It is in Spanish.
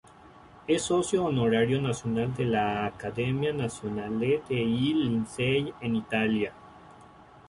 Es socio honorario nacional de la Accademia Nazionale dei Lincei en Italia.